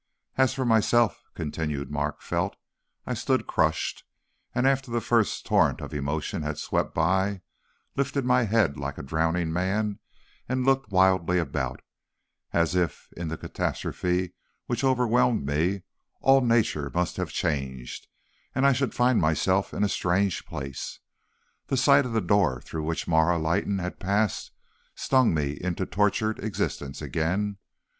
"As for myself," continued Mark Felt, "I stood crushed, and after the first torrent of emotion had swept by, lifted my head like a drowning man and looked wildly about, as if, in the catastrophe which overwhelmed me, all nature must have changed, and I should find myself in a strange place. The sight of the door through which Marah Leighton had passed stung me into tortured existence again.